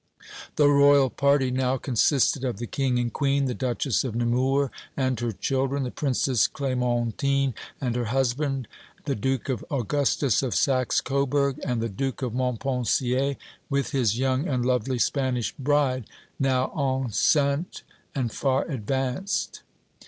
The Royal party now consisted of the King and Queen, the Duchess of Nemours and her children, the Princess Clémentine and her husband, the Duke Augustus of Saxe Coburg, and the Duke of Montpensier with his young and lovely Spanish bride, now enceinte and far advanced.